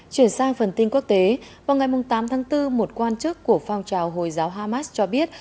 chuyển sang phần tin quốc tế vào ngày tám tháng bốn một quan chức của phong trào hồi giáo hamas cho biết